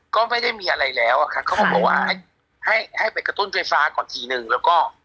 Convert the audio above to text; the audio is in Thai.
ก็ไม่ได้มีอะไรแล้วอะครับเขาบอกว่าให้ให้ไปกระตุ้นไฟฟ้าก่อนทีนึงแล้วก็